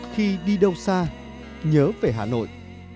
khi đi đâu xa nhớ về hà nội